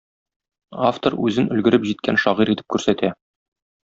Автор үзен өлгереп җиткән шагыйрь итеп күрсәтә.